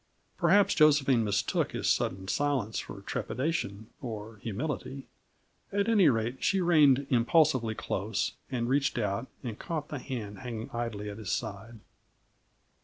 Perhaps Josephine mistook his sudden silence for trepidation, or humility. At any rate she reined impulsively close, and reached out and caught the hand hanging idly at his side.